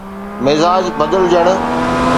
مزاج بدلجڻ